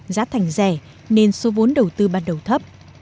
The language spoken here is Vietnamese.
giá thành rẻ nên số vốn đầu tư ban đầu thấp